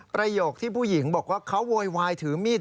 ประโยคที่ผู้หญิงบอกว่าเขาโวยวายถือมีด